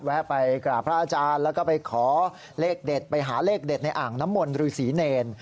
ไปกราบพระอาจารย์แล้วก็ไปขอเลขเด็ดไปหาเลขเด็ดในอ่างน้ำมนต์ฤษีเนร